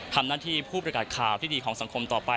ทำหน้าที่ผู้ประกาศข่าวที่ดีของสังคมต่อไป